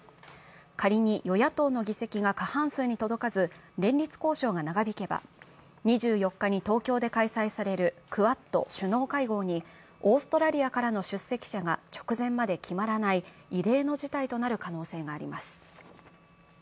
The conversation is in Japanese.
仮に与野党の議席が過半数に届かず連立交渉が長引けば、２４日に東京で開催されるクアッド首脳会合にオーストラリアからの出席者が直前まで決まらない異例の事態となる可能性があります。